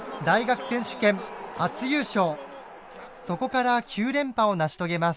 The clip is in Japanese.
そこから９連覇を成し遂げます。